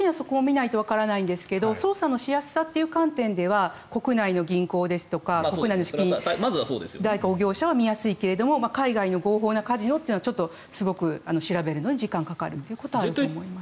最終的にはそこを見ないとわからないんですが捜査のしやすさは国内の銀行とか国内の資金代行業者は見やすいけれども海外の合法なカジノというのはすごく調べるのは難しいというのはあると思います。